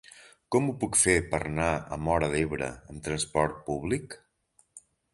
Com ho puc fer per anar a Móra d'Ebre amb trasport públic?